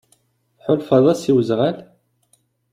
Tḥulfaḍ-as i wezɣal?